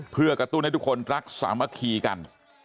เพื่อกระตุ้นให้ทุกคนรักสามัคคีกัน